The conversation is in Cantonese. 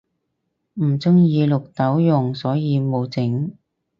唔鍾意綠豆蓉所以無整